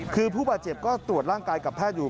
คือผู้บาดเจ็บก็ตรวจร่างกายกับแพทย์อยู่